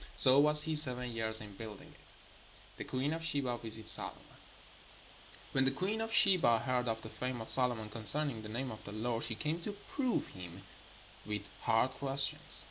So was he seven years in building it. THE QUEEN OF SHEBA VISITS SOLOMON And when the queen of Sheba heard of the fame of Solomon concerning the name of the Lord, she came to prove him with hard questions.